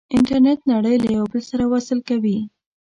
انټرنیټ نړۍ له یو بل سره وصل کوي.